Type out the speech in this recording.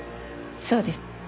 そうです。